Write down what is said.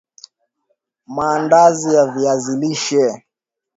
Maandazi ya viazi lishe